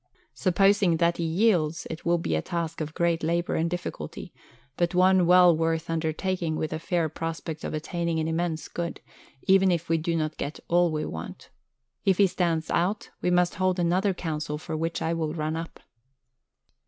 Supposing that he yields, it will be a task of great labour and difficulty, but one well worth undertaking with a fair prospect of attaining an immense good, even if we do not get all we want. If he stands out, we must hold another Council for which I will run up."